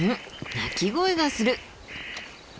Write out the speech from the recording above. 鳴き声がする。